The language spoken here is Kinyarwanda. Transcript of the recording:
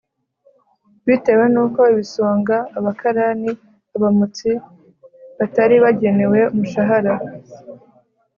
bitewe n'uko ibisonga, abakarani, abamotsi batari bagenewe umushahara.